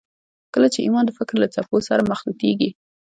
کله چې ایمان د فکر له څپو سره مخلوطېږي